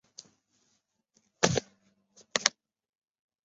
亚美尼亚人在奥斯曼帝国内所创立的米利特多于一个。